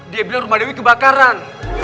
dia bilang rumah dewi kebakaran